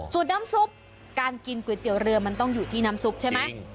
น้ำซุปการกินก๋วยเตี๋ยวเรือมันต้องอยู่ที่น้ำซุปใช่ไหม